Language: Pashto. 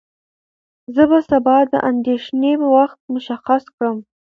زه به سبا د اندېښنې وخت مشخص کړم.